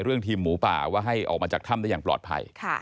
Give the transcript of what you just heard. ทีมหมูป่าว่าให้ออกมาจากถ้ำได้อย่างปลอดภัย